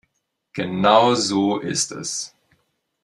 Genau so ist es.